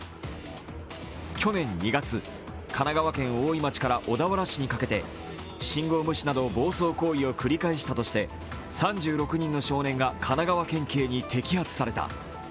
去年２月、神奈川県大井町から小田原市にかけて信号無視などの暴走行為を繰り返したとして３６人の少年が神奈川県警に摘発された。